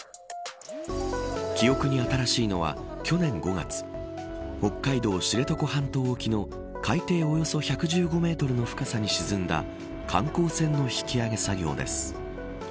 記憶に新しいのは、去年５月北海道知床半島沖の海底およそ１１５メートルの深さに沈んだ観光船の引き揚げ作業です。